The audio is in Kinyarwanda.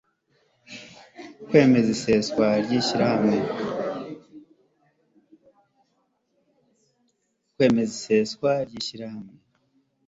kwemeza iseswa ry ishyirahamwe